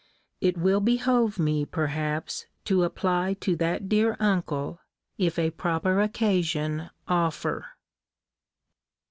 It will behove me, perhaps, to apply to that dear uncle, if a proper occasion offer.